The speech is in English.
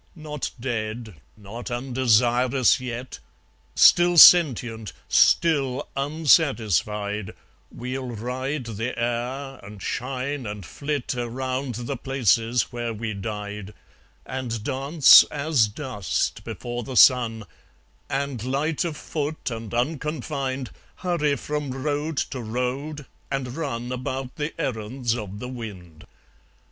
Not dead, not undesirous yet, Still sentient, still unsatisfied, We'll ride the air, and shine, and flit, Around the places where we died, And dance as dust before the sun, And light of foot, and unconfined, Hurry from road to road, and run About the errands of the wind.